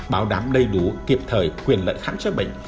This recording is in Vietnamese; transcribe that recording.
bảo đảm đầy đủ kịp thời quyền lợi khám chữa bệnh